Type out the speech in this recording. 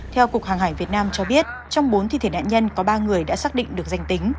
theo cục hàng hải việt nam cho biết trong bốn thi thể nạn nhân có ba người đã xác định được danh tính